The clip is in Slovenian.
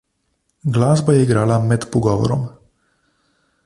Glasba je igrala med pogovorom.